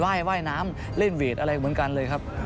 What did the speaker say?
ว่ายว่ายน้ำเล่นเวทอะไรเหมือนกันเลยครับ